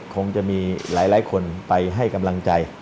คงจะมีหลายคนไปให้กำลังใจ